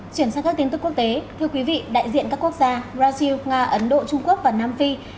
chuyển sang các tin tức quốc tế thưa quý vị đại diện các quốc gia brazil nga ấn độ trung quốc và nam phi